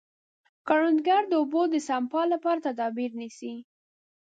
کروندګر د اوبو د سپما لپاره تدابیر نیسي